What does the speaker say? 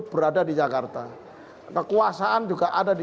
berada di jakarta kekuasaan juga ada di